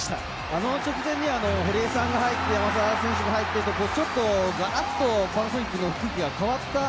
あの直前に堀江さんが入って山沢選手が入って、ちょっとガラッとパナソニックの雰囲気が変わった。